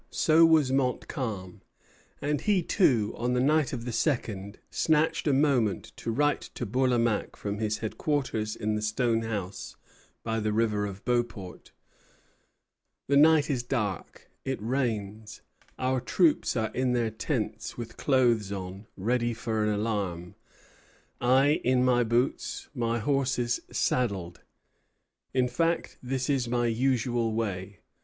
So was Montcalm; and he, too, on the night of the second, snatched a moment to write to Bourlamaque from his headquarters in the stone house, by the river of Beauport: "The night is dark; it rains; our troops are in their tents, with clothes on, ready for an alarm; I in my boots; my horses saddled. In fact, this is my usual way.